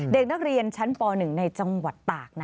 เด็กนักเรียนชั้นป๑ในจังหวัดตาก